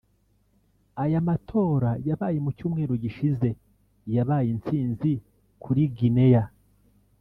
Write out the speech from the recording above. Aya matora yabaye mu cyumweru gishize yabaye intsinzi kuri Guinea